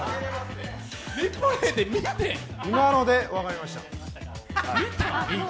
今ので分かりました。